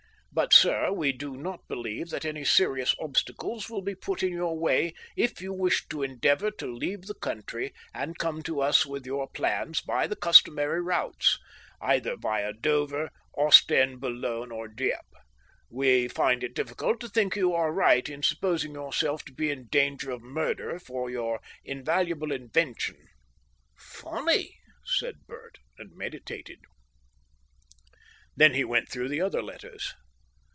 But, sir, we do not believe that any serious obstacles will be put in your way if you wished to endeavour to leave the country and come to us with your plans by the customary routes either via Dover, Ostend, Boulogne, or Dieppe. We find it difficult to think you are right in supposing yourself to be in danger of murder for your invaluable invention." "Funny!" said Bert, and meditated. Then he went through the other letters.